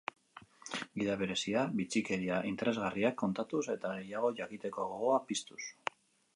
Gida berezia, bitxikeria interesgarriak kontatuz eta gehiago jakiteko gogoa piztuz.